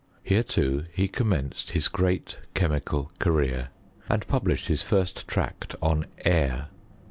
Here, too, he commenced bis { great chemical career, and published his first tract on air.